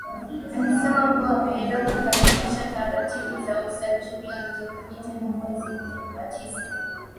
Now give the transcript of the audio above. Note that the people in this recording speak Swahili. Alisema kuwa ameenda kukamilisha taratibu za usajili angerudi tena mwezi wa tisa